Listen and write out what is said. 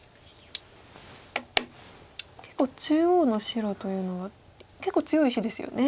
中央の白というのは結構強い石ですよね。